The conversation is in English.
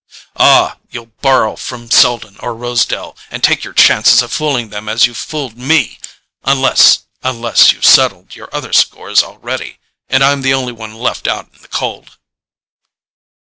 "Ah—you'll borrow from Selden or Rosedale—and take your chances of fooling them as you've fooled me! Unless—unless you've settled your other scores already—and I'm the only one left out in the cold!"